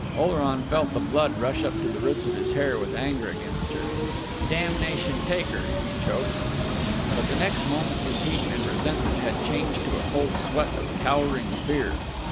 Oleron felt the blood rush up to the roots of his hair with anger against her. "Damnation take her!" he choked.... But the next moment his heat and resentment had changed to a cold sweat of cowering fear.